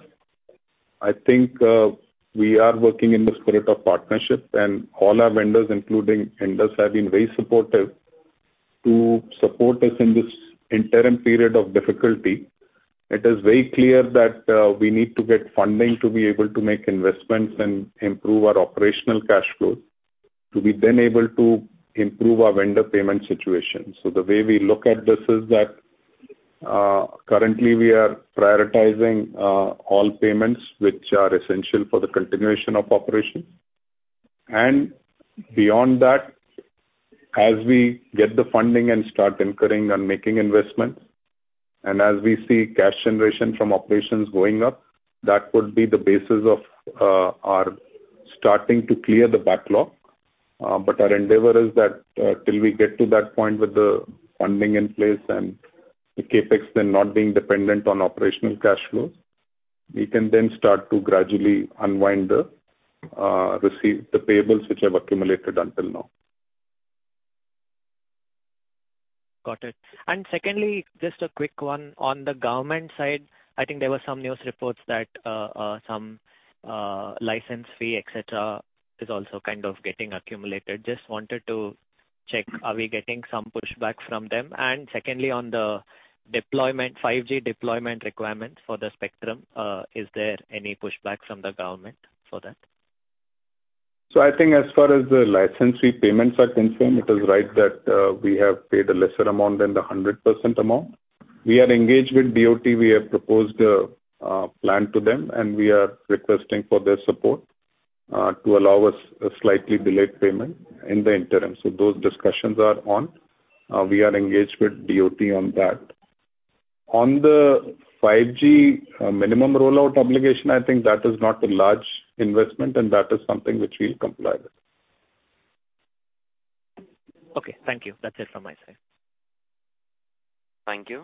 I think, we are working in the spirit of partnership, and all our vendors, including vendors, have been very supportive to support us in this interim period of difficulty. It is very clear that we need to get funding to be able to make investments and improve our operational cash flow to be then able to improve our vendor payment situation. The way we look at this is that currently we are prioritizing all payments which are essential for the continuation of operations. Beyond that, as we get the funding and start incurring and making investments, and as we see cash generation from operations going up, that would be the basis of our starting to clear the backlog. Our endeavor is that till we get to that point with the funding in place and the CapEx then not being dependent on operational cash flows, we can then start to gradually unwind the receive the payables which have accumulated until now. Got it. Secondly, just a quick one. On the government side, I think there were some news reports that some license fee, et cetera, is also kind of getting accumulated. Just wanted to check, are we getting some pushback from them? Secondly, on the deployment, 5G deployment requirements for the spectrum, is there any pushback from the government for that? I think as far as the license fee payments are concerned, it is right that we have paid a lesser amount than the 100% amount. We are engaged with DoT. We have proposed a plan to them, and we are requesting for their support to allow us a slightly delayed payment in the interim. Those discussions are on. We are engaged with DoT on that. On the 5G minimum rollout obligation, I think that is not a large investment, and that is something which we'll comply with. Okay. Thank you. That's it from my side. Thank you.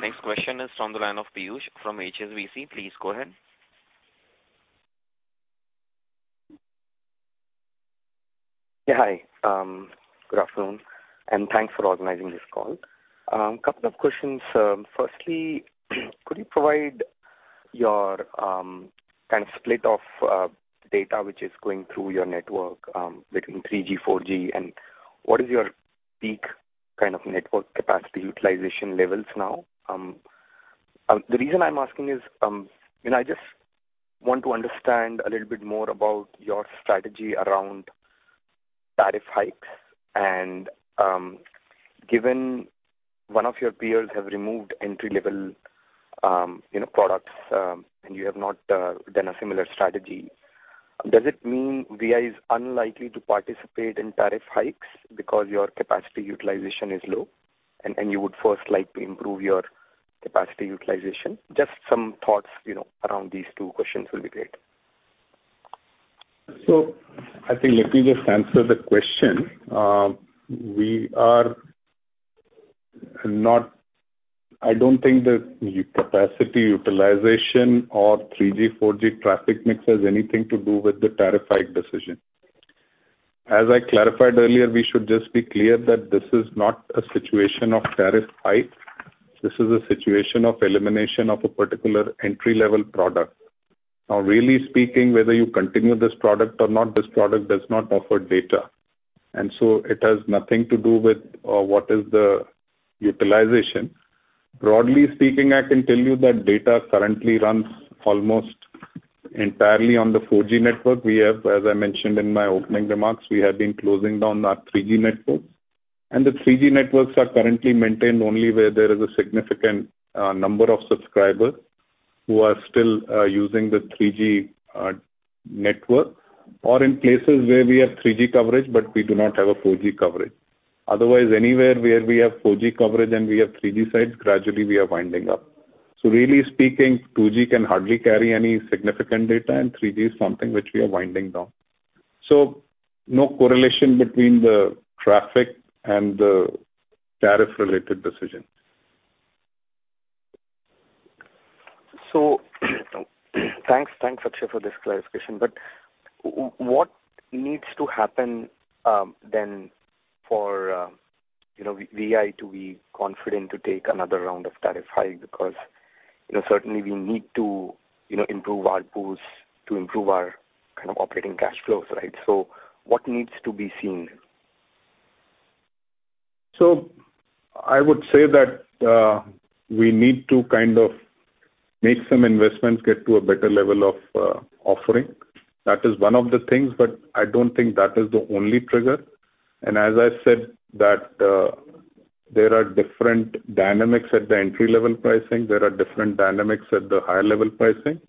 Next question is from the line of Piyush from HSBC. Please go ahead. Yeah. Hi. Good afternoon, thanks for organizing this call. Couple of questions. Firstly, could you provide your kind of split of data which is going through your network between 3G, 4G, and what is your peak kind of network capacity utilization levels now? The reason I'm asking is, you know, I just want to understand a little bit more about your strategy around tariff hikes. Given one of your peers have removed entry-level, you know, products, and you have not done a similar strategy, does it mean Vi is unlikely to participate in tariff hikes because your capacity utilization is low and you would first like to improve your capacity utilization? Just some thoughts, you know, around these two questions will be great. I think let me just answer the question. I don't think the capacity utilization or 3G, 4G traffic mix has anything to do with the tariff hike decision. As I clarified earlier, we should just be clear that this is not a situation of tariff hike. This is a situation of elimination of a particular entry-level product. Really speaking, whether you continue this product or not, this product does not offer data, it has nothing to do with what is the utilization. Broadly speaking, I can tell you that data currently runs almost entirely on the 4G network. We have, as I mentioned in my opening remarks, we have been closing down our 3G networks. The 3G networks are currently maintained only where there is a significant number of subscribers who are still using the 3G network or in places where we have 3G coverage but we do not have a 4G coverage. Otherwise, anywhere where we have 4G coverage and we have 3G sites, gradually we are winding up. Really speaking, 2G can hardly carry any significant data, and 3G is something which we are winding down. No correlation between the traffic and the tariff-related decisions. Thanks, Akshay, for this clarification. What needs to happen then for, you know, Vi to be confident to take another round of tariff hike because, you know, certainly we need to, you know, improve our pools to improve our kind of operating cash flows, right? What needs to be seen? I would say that we need to kind of make some investments, get to a better level of offering. That is one of the things, but I don't think that is the only trigger. As I said that there are different dynamics at the entry-level pricing. There are different dynamics at the higher-level pricing.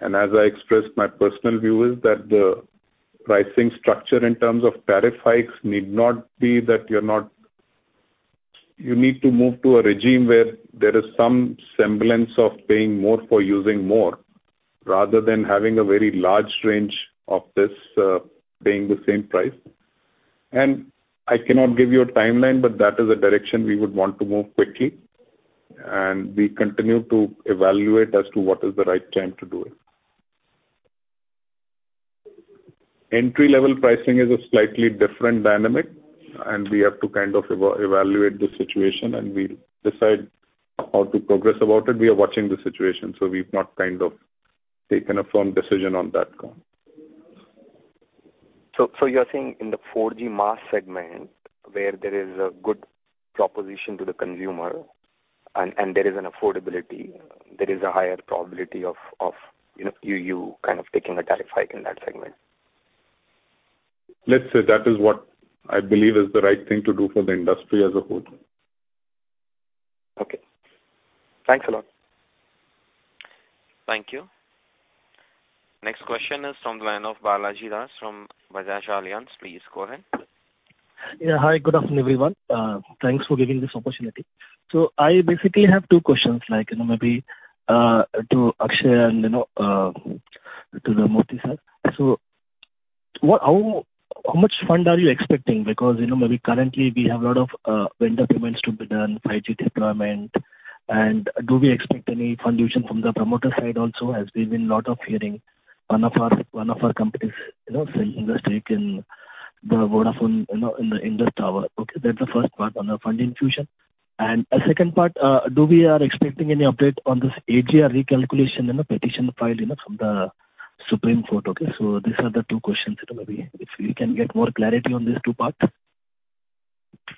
As I expressed, my personal view is that the pricing structure in terms of tariff hikes need not be that you need to move to a regime where there is some semblance of paying more for using more, rather than having a very large range of this, paying the same price. I cannot give you a timeline, but that is a direction we would want to move quickly, and we continue to evaluate as to what is the right time to do it. Entry level pricing is a slightly different dynamic, and we have to kind of evaluate the situation and we'll decide how to progress about it. We are watching the situation. We've not kind of taken a firm decision on that front. you are saying in the 4G mass segment where there is a good proposition to the consumer and there is an affordability, there is a higher probability of, you know, you kind of taking a tariff hike in that segment. Let's say that is what I believe is the right thing to do for the industry as a whole. Okay. Thanks a lot. Thank you. Next question is from the line of Balaji Das from Bajaj Allianz. Please go ahead. Yeah. Hi. Good afternoon, everyone. Thanks for giving this opportunity. I basically have two questions, like, you know, maybe to Akshay and, you know, to the Motty, sir. How much fund are you expecting? Because, you know, maybe currently we have a lot of vendor payments to be done, 5G deployment. Do we expect any fund use from the promoter side also, as we've been lot of hearing one of our, one of our companies, you know, selling their stake in the Vodafone, you know, in this tower. That's the first part on the fund infusion. A second part, do we are expecting any update on this AGR recalculation and the petition filed, you know, from the Supreme Court? These are the two questions. You know, maybe if we can get more clarity on these two parts.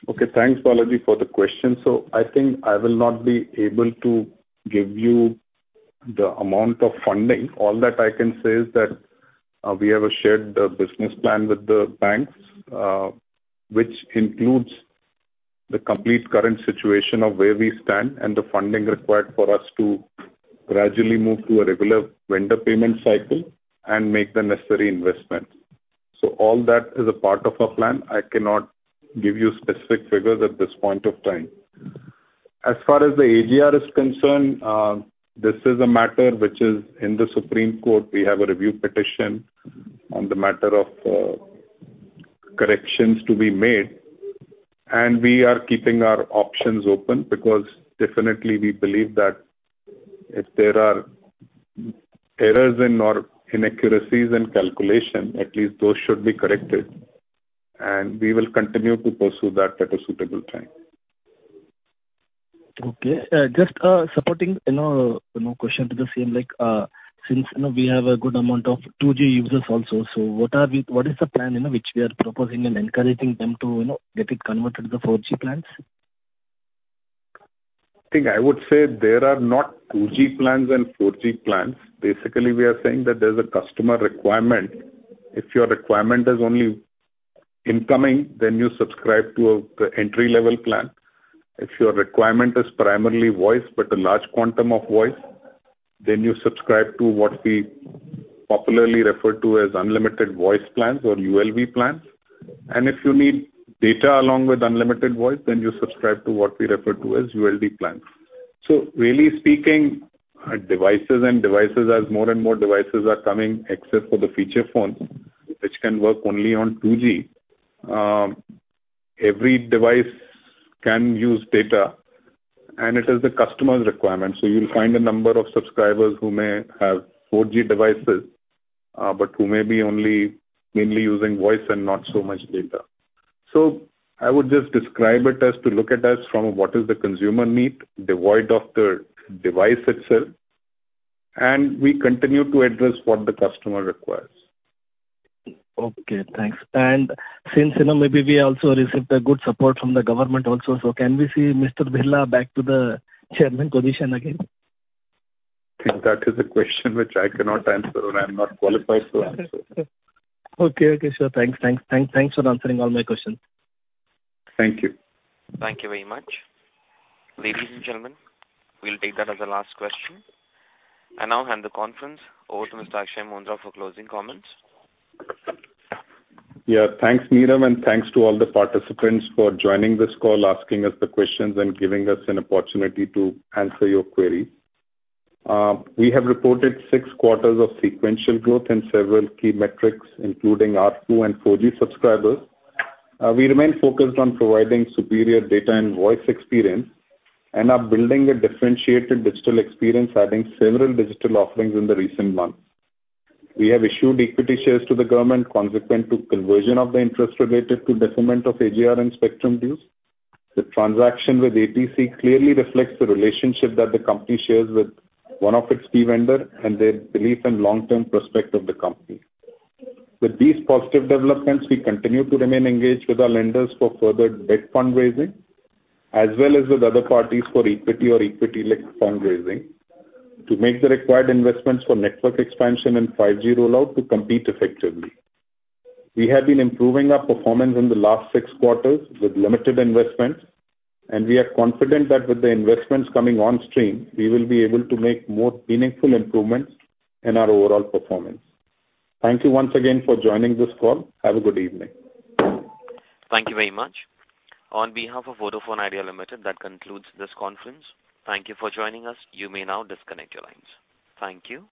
Okay. Thanks, Balaji, for the question. I think I will not be able to give you the amount of funding. All that I can say is that, we have a shared, business plan with the banks, which includes the complete current situation of where we stand and the funding required for us to gradually move to a regular vendor payment cycle and make the necessary investments. All that is a part of our plan. I cannot give you specific figures at this point of time. As far as the AGR is concerned, this is a matter which is in the Supreme Court. We have a review petition on the matter of corrections to be made. We are keeping our options open because definitely we believe that if there are errors in or inaccuracies in calculation, at least those should be corrected. We will continue to pursue that at a suitable time. Okay. just, supporting, you know, question to the same, like, since, you know, we have a good amount of 2G users also, so what is the plan, you know, which we are proposing and encouraging them to, you know, get it converted to the 4G plans? I think I would say there are not 2G plans and 4G plans. Basically, we are saying that there's a customer requirement. If your requirement is only incoming, then you subscribe to the entry-level plan. If your requirement is primarily voice but a large quantum of voice, then you subscribe to what we popularly refer to as unlimited voice plans or ULV plans. If you need data along with unlimited voice, then you subscribe to what we refer to as ULD plans. Really speaking, devices and devices, as more and more devices are coming, except for the feature phones which can work only on 2G, every device can use data, and it is the customer's requirement. You'll find a number of subscribers who may have 4G devices, but who may be only mainly using voice and not so much data. I would just describe it as to look at us from what is the consumer need, devoid of the device itself, and we continue to address what the customer requires. Okay, thanks. Since, you know, maybe we also received a good support from the government also, can we see Mr. Birla back to the chairman position again? I think that is a question which I cannot answer or I'm not qualified to answer. Okay. Okay, sure. Thanks. Thanks. Thanks for answering all my questions. Thank you. Thank you very much. Ladies and gentlemen, we'll take that as the last question. I now hand the conference over to Mr. Akshaya Moondra for closing comments. Thanks, Neerav, and thanks to all the participants for joining this call, asking us the questions and giving us an opportunity to answer your queries. We have reported 6 quarters of sequential growth in several key metrics, including R2 and 4G subscribers. We remain focused on providing superior data and voice experience and are building a differentiated digital experience, adding several digital offerings in the recent months. We have issued equity shares to the government consequent to conversion of the interest related to deciment of AGR and spectrum dues. The transaction with ATC clearly reflects the relationship that the company shares with one of its key vendor and their belief in long-term prospect of the company. With these positive developments, we continue to remain engaged with our lenders for further debt fundraising, as well as with other parties for equity or equity-like fundraising to make the required investments for network expansion and 5G rollout to compete effectively. We have been improving our performance in the last 6 quarters with limited investments, and we are confident that with the investments coming on stream, we will be able to make more meaningful improvements in our overall performance. Thank you once again for joining this call. Have a good evening. Thank you very much. On behalf of Vodafone Idea Limited, that concludes this conference. Thank you for joining us. You may now disconnect your lines. Thank you.